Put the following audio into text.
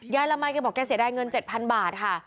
ละมัยแกบอกแกเสียดายเงิน๗๐๐บาทค่ะ